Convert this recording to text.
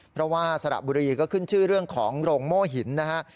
เพราะว่าสระบุรีก็ขึ้นชื่อเรื่องของโรงโม่หินนะฮะ